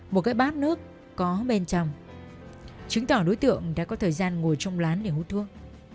một cái bát nước có bên trong chứng tỏ đối tượng đã có thời gian ngồi trong lán để hút thuốc